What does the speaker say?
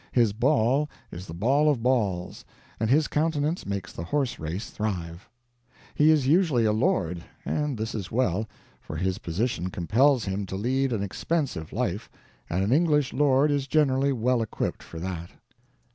His ball is the ball of balls, and his countenance makes the horse race thrive. He is usually a lord, and this is well; for his position compels him to lead an expensive life, and an English lord is generally well equipped for that.